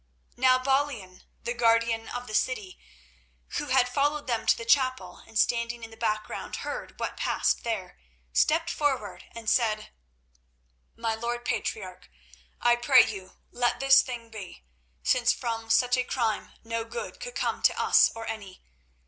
Now Balian, the guardian of the city, who had followed them to the chapel and standing in the background heard what passed there, stepped forward and said: "My lord Patriarch, I pray you let this thing be, since from such a crime no good could come to us or any.